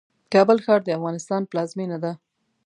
کابل ښار د افغانستان پلازمېنه ده